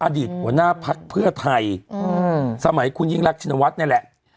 อดีตหวันนาคเพื่อไทยสมัยคุณอิ่งลักษณวัตรไหนแหละ